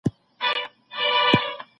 دا خوب وړي را وېښیږي دا پرېوتي را پاڅېږي